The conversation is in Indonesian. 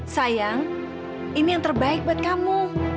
sayang ini yang terbaik buat kamu